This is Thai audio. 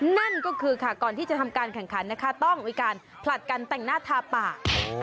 นั่นก็คือค่ะก่อนที่จะทำการแข่งขันนะคะต้องมีการผลัดกันแต่งหน้าทาปาก